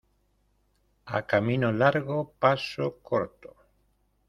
A camino largo, paso corto.